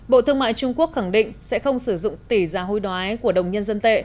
bộ thương mại trung quốc khẳng định sẽ không sử dụng tỷ giá hối đoái của đồng nhân dân tệ